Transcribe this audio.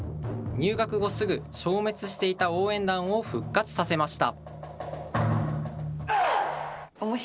入学後すぐ消滅していた応援団を復活させました。